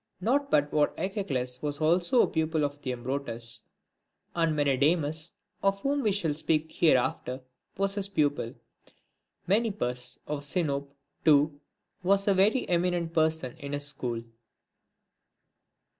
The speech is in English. Not but what Echecles was also a pupil of Theombrotus ; and Menedemus, of whom we shall speak hereafter, was his pupil. Menippus, of Sinope, too, was a very eminent person in his school.